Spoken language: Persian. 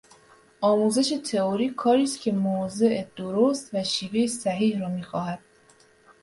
آموزش تئوری کاری است که موضع درست و شیوهٔ صحیح را میخواهد.